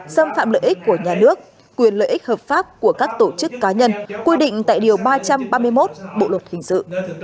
xâm phạm lợi ích của nhà nước quyền lợi ích hợp pháp của các tổ chức cá nhân quy định tại điều ba trăm ba mươi một bộ luật hình sự